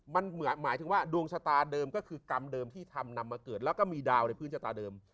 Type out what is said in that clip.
มันหมายถึงว่าดวงชะตาเดิมก็คือกรรมเดิมที่ทำนำมาเกิดแล้วก็มีดาวในพื้นชะตาเดิม